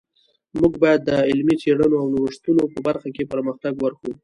موږ باید د علمي څیړنو او نوښتونو په برخه کی پرمختګ ورکړو